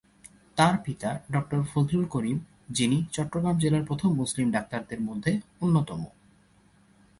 তার পিতা ডা: ফজলুল করিম, যিনি চট্টগ্রাম জেলার প্রথম মুসলিম ডাক্তারদের মধ্যে অন্যতম।